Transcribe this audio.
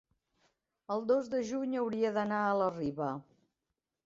el dos de juny hauria d'anar a la Riba.